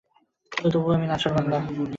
কিন্তু তবুও আমি নাছোড়বান্দা।